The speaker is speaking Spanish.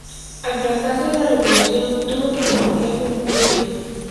Al fracaso de la revolución, tuvo que refugiarse en Prusia.